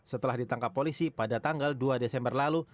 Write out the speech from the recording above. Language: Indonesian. setelah ditangkap polisi pada tanggal dua desember lalu